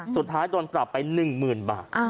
สุดท้ายโดนปรับไป๑๐๐๐บาท